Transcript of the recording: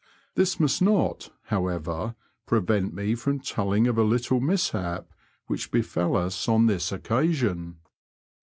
This must not, however, prevent me from telling of a Uttle mishap which befel us on this occasion.